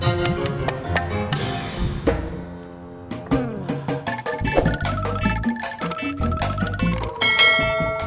tidak itu tidak baik